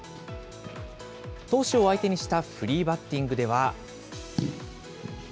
投手を相手にしたフリーバッティングでは。